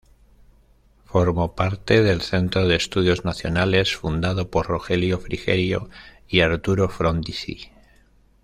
Formó parte del Centro de Estudios Nacionales, fundado por Rogelio Frigerio y Arturo Frondizi.